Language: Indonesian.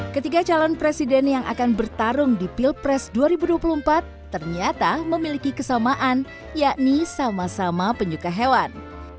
ketiga calon presiden yang akan bertarung di pilpres dua ribu dua puluh empat ternyata memiliki kesamaan yakni sama sama penyuka hewan